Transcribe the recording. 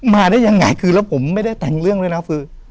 มาได้ยังไงคือแล้วผมไม่ได้แต่งเรื่องด้วยนะคือ